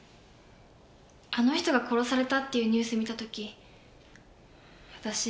あの人が殺されたっていうニュース見た時私。